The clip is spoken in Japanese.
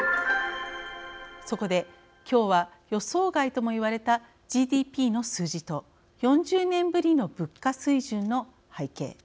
そこで今日は予想外とも言われたＧＤＰの数字と４０年ぶりの物価水準の背景。